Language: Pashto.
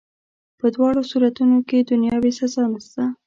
په دواړو صورتونو کي دنیاوي سزا نسته.